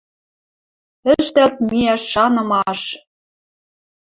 Ӹштӓлт миӓ шанымаш!